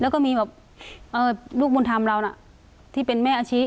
แล้วก็มีแบบลูกบุญธรรมเราน่ะที่เป็นแม่อาชีพ